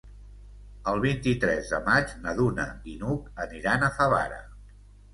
El vint-i-tres de maig na Duna i n'Hug aniran a Favara.